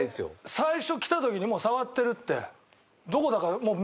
最初来た時にもう触ってるって。